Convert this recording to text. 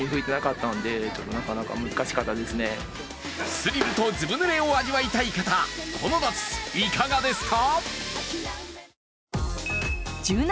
スリルとずぶぬれを味わいたい方この夏、いかがですか？